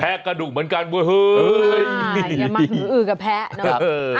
แพ้กระดูกเหมือนกันว่าเฮ้ยอย่ามาถึงอื่นกับแพ้นะครับ